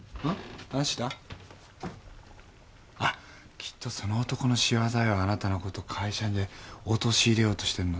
「きっとその男の仕業よあなたのこと会社で陥れようとしてるの」